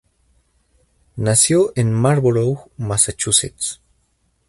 Nació en Marlborough, Massachusetts.